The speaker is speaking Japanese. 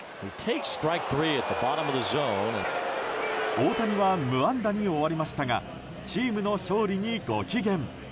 大谷は無安打に終わりましたがチームの勝利にご機嫌。